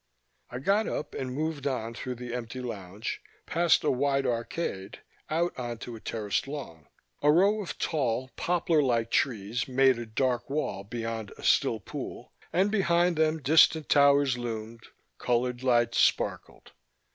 I got up and moved on through the empty lounge, past a wide arcade, out onto a terraced lawn. A row of tall poplar like trees made a dark wall beyond a still pool, and behind them distant towers loomed, colored lights sparkled.